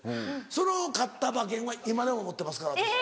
その買った馬券は今でも持ってますから私。